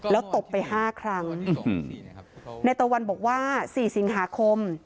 แล้วตบไปห้าครั้งในตะวันบอกว่าสี่สิงหาคม